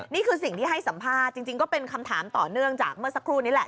นี่คือสิ่งที่ให้สัมภาษณ์จริงก็เป็นคำถามต่อเนื่องจากเมื่อสักครู่นี้แหละ